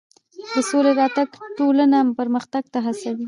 د سولې راتګ ټولنه پرمختګ ته هڅوي.